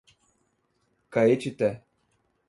Caetité